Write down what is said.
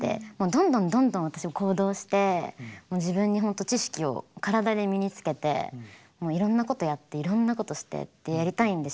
どんどんどんどん私は行動して自分に本当知識を体で身につけてもういろんなことやっていろんなことしてってやりたいんで。